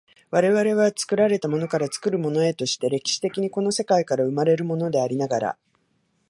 我々は作られたものから作るものへとして、歴史的にこの世界から生まれるものでありながら、